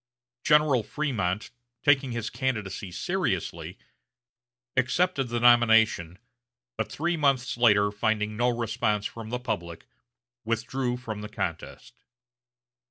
General Frémont, taking his candidacy seriously, accepted the nomination, but three months later, finding no response from the public, withdrew from the contest.